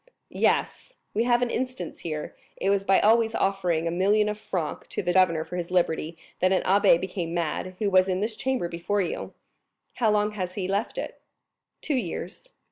"Yes; we have an instance here; it was by always offering a million of francs to the governor for his liberty that an abbé became mad, who was in this chamber before you." 0119m "How long has he left it?" "Two years."